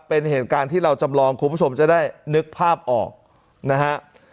เป็นเหตุการณ์ที่เราจำลองคุณผู้ชมจะได้นึกภาพออกนะฮะ